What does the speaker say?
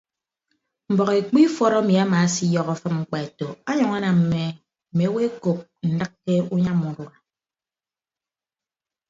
Mbʌk ekpu ifọt emi amaasiyọhọ afịm mkpaeto ọnyʌñ anam mme owo ekop ndịk ke unyam urua.